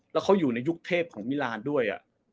แล้วเขาอยู่ในยุคเทพของมิลานด้วย